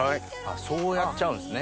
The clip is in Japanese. そうやっちゃうんですね。